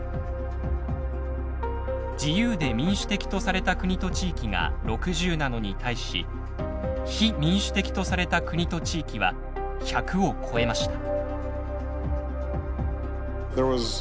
自由で民主的とされた国と地域が６０なのに対し非民主的とされた国と地域は１００を超えました。